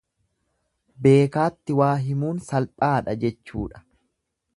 Beekaatti waa himuun salphaadha jechuudha.